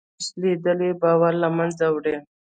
رسۍ شلېدلې باور له منځه وړي.